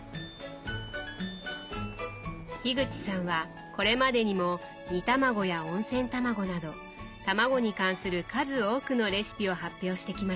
口さんはこれまでにも煮たまごや温泉たまごなどたまごに関する数多くのレシピを発表してきました。